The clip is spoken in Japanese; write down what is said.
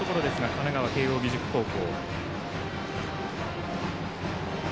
神奈川・慶応義塾高校。